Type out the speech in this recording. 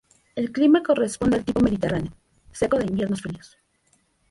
El clima corresponde al tipo Mediterráneo, seco de inviernos fríos.